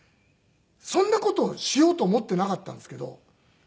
そんな事をしようと思っていなかったんですけど。